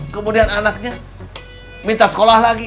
kemudian anaknya minta sekolah lagi